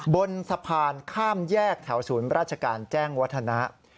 บนสะพานข้ามแยกแถวศูนย์ราชการแจ้งวัฒนะ